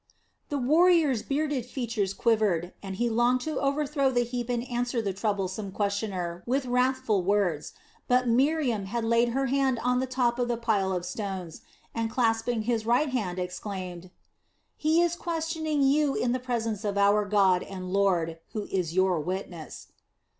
The warrior's bearded features quivered, and he longed to overthrow the heap and answer the troublesome questioner with wrathful words, but Miriam had laid her hand on the top of the pile of stones, and clasping his right hand, exclaimed: "He is questioning you in the presence of our God and Lord, who is your witness."